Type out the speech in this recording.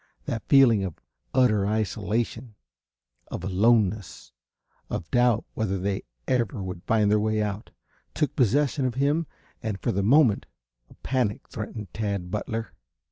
That feeling of utter isolation, of aloneness, of doubt whether they ever would find their way out, took possession of him and for the moment a panic threatened Tad Butler.